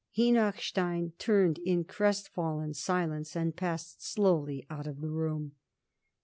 Henochstein turned in crestfallen silence and passed slowly out of the room.